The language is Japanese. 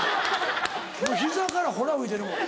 膝からほら吹いてるもん。